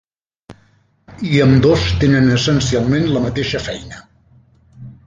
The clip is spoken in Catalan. I ambdós tenen essencialment la mateixa feina.